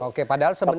oke padahal sebenarnya